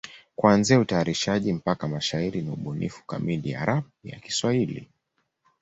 Kuanzia utayarishaji mpaka mashairi ni ubunifu kamili ya rap ya Kiswahili.